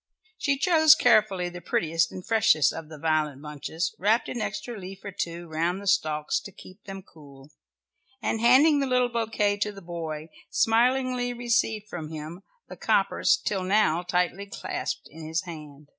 She chose carefully the prettiest and freshest of the violet bunches, wrapped an extra leaf or two round the stalks to keep them cool, and handing the little bouquet to the boy, smilingly received from him the coppers till now tightly clasped in his hand.